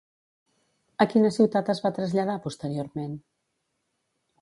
A quina ciutat es va traslladar posteriorment?